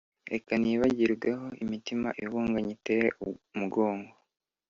reka nibagirweho imitima ibunga nyitere umugongo